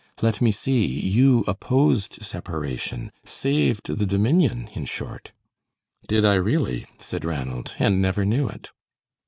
Let me see, you opposed separation; saved the Dominion, in short." "Did I, really?" said Ranald, "and never knew it."